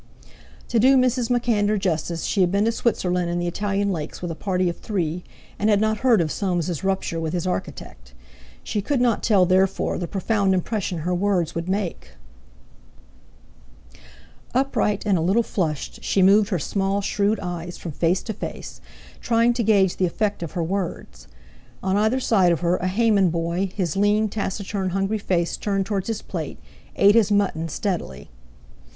To do Mrs. MacAnder justice, she had been to Switzerland and the Italian lakes with a party of three, and had not heard of Soames's rupture with his architect. She could not tell, therefore, the profound impression her words would make. Upright and a little flushed, she moved her small, shrewd eyes from face to face, trying to gauge the effect of her words. On either side of her a Hayman boy, his lean, taciturn, hungry face turned towards his plate, ate his mutton steadily.